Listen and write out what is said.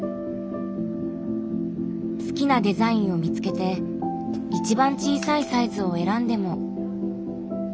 好きなデザインを見つけて一番小さいサイズを選んでも。